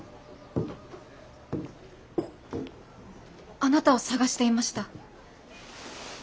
あなたを探していました。